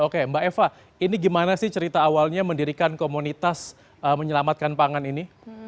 oke mbak eva ini gimana sih cerita awalnya mendirikan komunitas menyelamatkan pangan ini